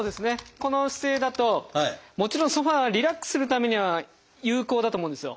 この姿勢だともちろんソファーはリラックスするためには有効だと思うんですよ。